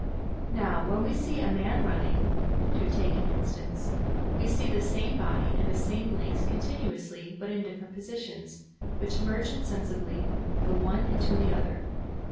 Now, when we see a man running (to take an instance) we see the same body and the same legs continuously, but in different positions, which merge insensibly the one into the other.